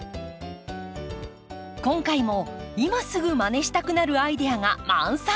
今回も今すぐまねしたくなるアイデアが満載。